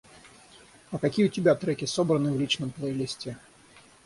А какие у тебя треки собраны в личном плейлисте?